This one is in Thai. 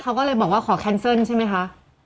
เขาก็เลยบอกว่าขอแคนเซิลใช่ไหมคะ